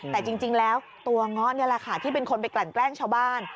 แต่จริงแล้วตัวเงาะนี่แหละค่ะที่เป็นคนไปกลั่นแกล้งชาวบ้าน